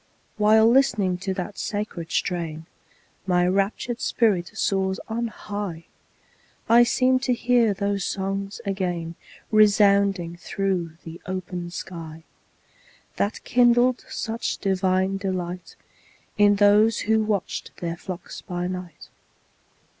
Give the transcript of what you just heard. While listening to that sacred strain, My raptured spirit soars on high; I seem to hear those songs again Resounding through the open sky, That kindled such divine delight, In those who watched their flocks by night.